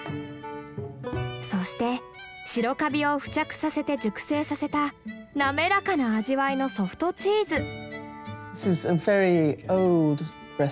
そして白カビを付着させて熟成させたなめらかな味わいのソフトチーズ。